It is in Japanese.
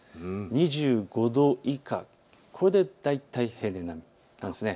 ２５度以下、これで大体平年並みなんです。